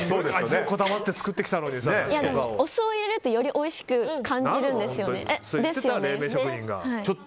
お酢を入れるとよりおいしく感じるんです。